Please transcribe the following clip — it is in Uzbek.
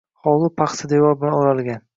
Hovli paxsa devor bilan oʼralgan.